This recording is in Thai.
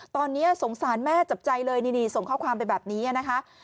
ตอนนี้สงสารแม่จับใจเลยนี่ส่งข้อความไปแบบนี้นะคะ